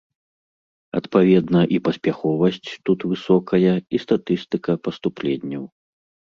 Адпаведна, і паспяховасць тут высокая, і статыстыка паступленняў.